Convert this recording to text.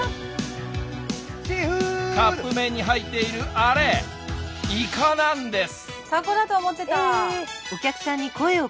カップ麺に入っているあれイカなんです！